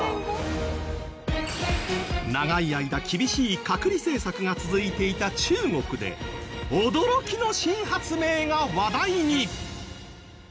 長い間厳しい隔離政策が続いていた中国で驚きの新発明が話題に。